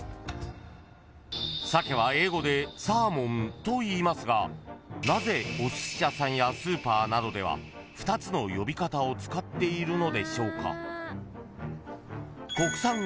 ［鮭は英語でサーモンといいますがナゼおすし屋さんやスーパーなどでは２つの呼び方を使っているのでしょうか？］